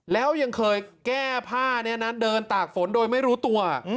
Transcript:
แล้วยังเคยแก้ผ้านี้นะเดินตากฝนโดยไม่รู้ตัว